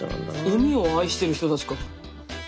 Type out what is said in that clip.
海を愛してる人たちか。